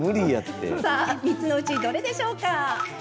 さあ、３つのうちどれでしょうか。